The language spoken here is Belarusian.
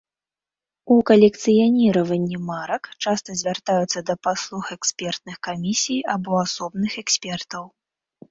У калекцыяніраванні марак часта звяртаюцца да паслуг экспертных камісій або асобных экспертаў.